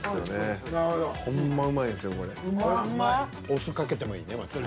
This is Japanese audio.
お酢かけてもいいねまた。